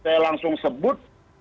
saya langsung sebut